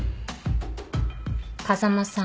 風間さん